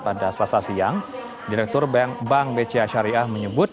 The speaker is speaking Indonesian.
pada selasa siang direktur bank bca syariah menyebut